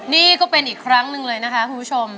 นี่ก็เป็นอีกครั้งหนึ่งเลยนะคะคุณผู้ชม